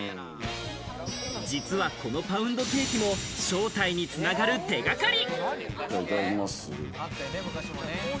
実はこのパウンドケーキも正体につながる手掛かり。